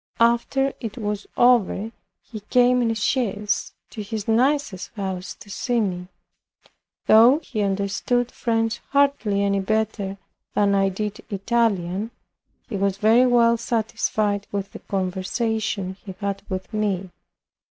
After it was over, he came in a chaise to his niece's house to see me. Though he understood French hardly any better than I did Italian, he was very well satisfied with the conversation he had with me.